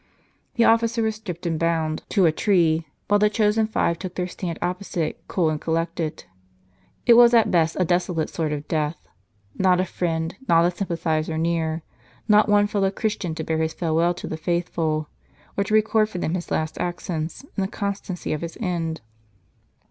The officer was stripped and bound to a tree, while the chosen five took their stand opposite, cool and collected. It was at best a desolate sort of death. Not a friend, not a sympathizer near ; not one fellow Christian to bear his farewell to the faithful, or to record for them his last accents, and the constancy of his end.